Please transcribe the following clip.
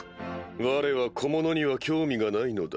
われは小者には興味がないのだ。